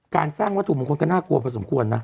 การสร้างวัตถุมงคลก็น่ากลัวพอสมควรนะ